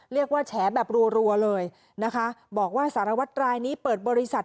แฉแบบรัวเลยนะคะบอกว่าสารวัตรรายนี้เปิดบริษัท